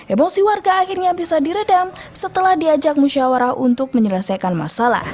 emosi warga akhirnya bisa diredam setelah diajak musyawarah untuk menyelesaikan masalah